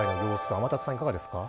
天達さんいかがですか。